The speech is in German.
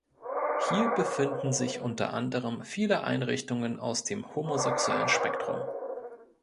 Hier befinden sich unter anderem viele Einrichtungen aus dem homosexuellen Spektrum.